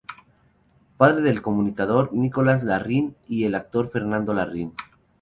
Padre del comunicador Nicolás Larraín y el actor Fernando Larraín.